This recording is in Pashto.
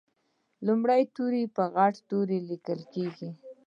لومړی توری په غټ توري لیکل کیږي.